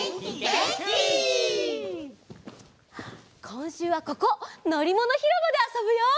こんしゅうはここのりものひろばであそぶよ！